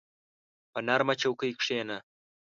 په نرمه چوکۍ کښېنه.